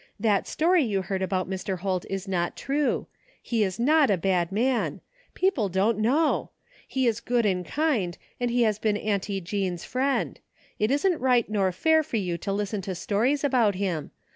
That story you heard about Mr. Holt is not true. He is not a bad man. People don't know. He is good and kind, and he has been Aimtie Jean's friend. It isn't right nor fair for you to listen to stories about him.